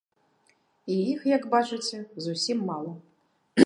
І іх, як бачыце, зусім мала.